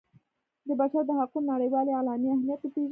د بشر د حقونو نړیوالې اعلامیې اهمیت وپيژني.